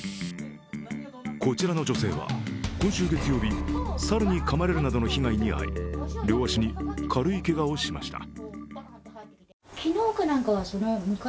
こちらの女性は今週月曜日猿にかまれるなどの被害に遭い、両足に軽いけがをしました。